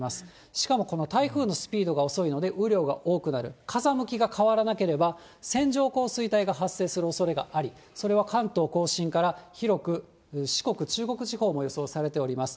しかもこの台風のスピードが遅いので、雨量が多くなる、風向きが変わらなければ、線状降水帯が発生するおそれがあり、それが関東甲信から、広く四国、中国地方も予想されています。